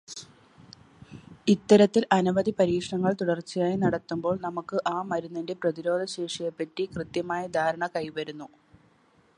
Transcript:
ഇത്തരത്തിൽ അനവധി പരീക്ഷണങ്ങൾ തുടർച്ചയായി നടത്തുമ്പോൾ നമുക്ക് ആ മരുന്നിന്റെ പ്രതിരോധശേഷിയെപ്പറ്റി കൃത്യമായ ധാരണ കൈവരുന്നു.